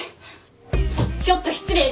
ちょっと失礼します。